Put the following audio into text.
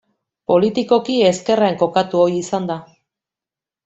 Politikoki ezkerrean kokatu ohi izan da.